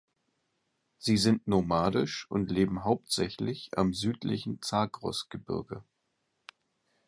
Sie sind nomadisch und leben hauptsächlich am südlichen Zagrosgebirge.